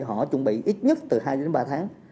họ chuẩn bị ít nhất từ hai đến ba tháng